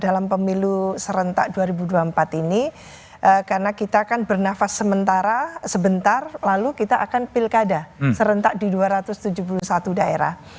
dalam pemilu serentak dua ribu dua puluh empat ini karena kita akan bernafas sementara sebentar lalu kita akan pilkada serentak di dua ratus tujuh puluh satu daerah